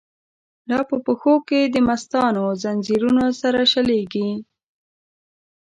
لا په پښو کی دمستانو، ځنځیرونه سره شلیږی